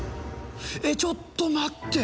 えっ、ちょっと待って！